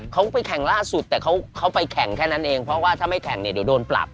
เขาไปแข่งล่าสุดแต่เขาไปแข่งแค่นั้นเองเพราะว่าถ้าไม่แข่งเนี่ยเดี๋ยวโดนปรับ